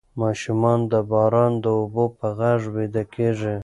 ماشومان د باران د اوبو په غږ ویده کیږي.